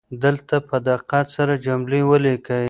دلته په دقت سره جملې ولیکئ.